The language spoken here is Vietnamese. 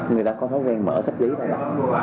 người ta có thói quen mở sách lấy ra